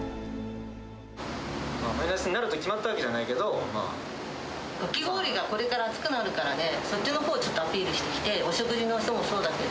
マイナスになると決まったわかき氷が、これから暑くなるからね、そっちのほうをちょっとアピールして、お食事の人もそうだけど。